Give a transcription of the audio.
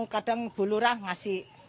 kadang bu lurah ngasih